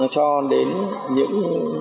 cho đến những